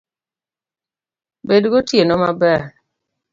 Bed gi otieno maber